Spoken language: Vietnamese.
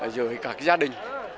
giữa các gia đình